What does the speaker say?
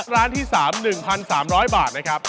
ร้านที่๓๑๓๐๐บาทนะครับ